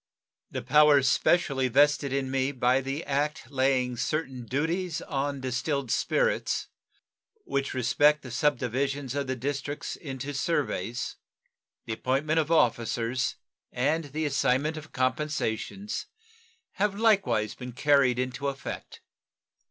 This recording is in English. The powers specially vested in me by the act laying certain duties on distilled spirits, which respect the subdivisions of the districts into surveys, the appointment of officers, and the assignment of compensations, have likewise been carried into effect.